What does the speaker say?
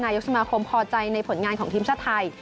ยกสมาคมพอใจในผลงานของทีมชาติไทย